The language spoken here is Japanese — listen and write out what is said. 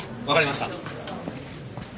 わかりました。